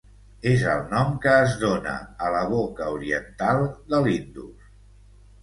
És el nom que es dóna a la boca oriental de l'Indus.